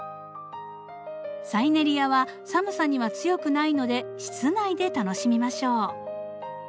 サイネリアは寒さには強くないので室内で楽しみましょう。